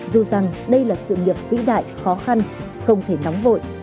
dù rằng đây là sự nghiệp vĩ đại khó khăn không thể nóng vội